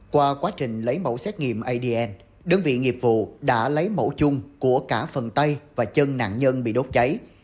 qua quá trình lấy mẫu xét nghiệm adn đơn vị nghiệp vụ đã lấy mẫu chung của cả phần tay và chân nạn nhân bị đốt cháy